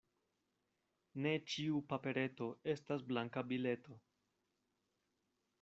Ne ĉiu papereto estas banka bileto.